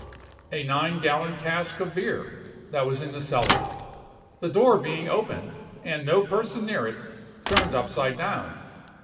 "A nine gallon cask of beer, that was in the cellar, the door being open, and no person near it, turned upside down.